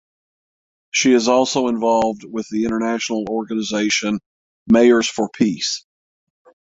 She is also involved with the international organization "Mayors for Peace".